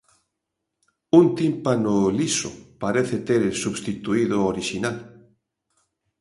Un tímpano, liso, parece ter substituído o orixinal.